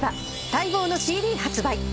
待望のＣＤ発売！